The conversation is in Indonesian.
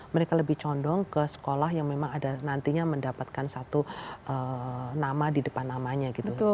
mereka lebih condong ke sekolah yang memang ada nantinya mendapatkan satu nama di depan namanya gitu